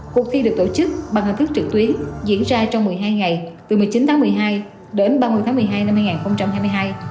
cuộc thi được tổ chức bằng hình thức trực tuyến diễn ra trong một mươi hai ngày từ một mươi chín tháng một mươi hai đến ba mươi tháng một mươi hai năm hai nghìn hai mươi hai